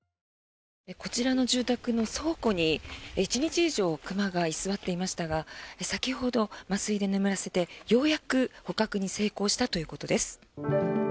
こちらの住宅の倉庫に１日以上熊が居座っていましたが先ほど麻酔で眠らせて、ようやく捕獲に成功したということです。